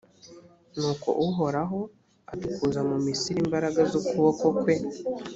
nuko uhoraho adukuza mu misiri imbaraga z’ukuboko kwe;